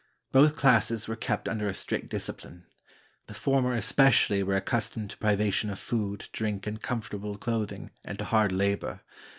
Both classes were kept under a strict discipline. The former especially were accustomed to privation of food, drink, and comfortable clothing, and to hard labor.